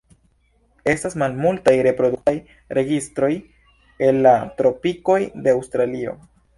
Estas malmultaj reproduktaj registroj el la tropikoj de Aŭstralio.